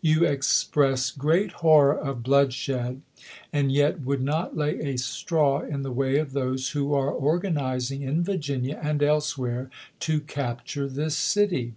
You express great horror of bloodshed, and yet would not lay a straw in the way of those who are organizing in Virginia and else 140 ABEAHAM LINCOLN Chap. VII. where to capture tliis city.